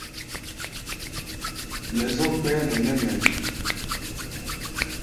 Mɛ zɔ́k gbáyá nɛ nɛ́ mɛ̧ʼí̧.